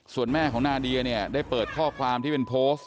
ส่วนแม่ของนาเดียเนี่ยได้เปิดข้อความที่เป็นโพสต์